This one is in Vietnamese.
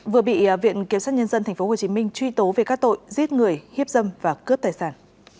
vừa bị viện kiểm sát nhân dân tp hcm truy tố về các tội giết người hiếp dâm và cướp tài sản